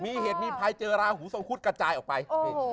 มีเหตุมีภัยเจอราหูทรงคุดกระจายออกไป